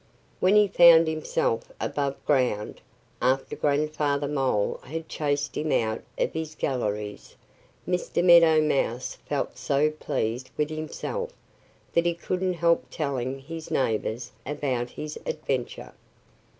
When he found himself above ground, after Grandfather Mole had chased him out of his galleries, Mr. Meadow Mouse felt so pleased with himself that he couldn't help telling his neighbors about his adventure.